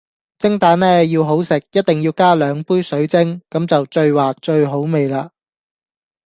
蒸蛋呢要好食一定要加兩杯水蒸，咁就最滑最好味喇